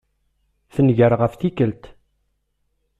Tenger ɣef tikelt.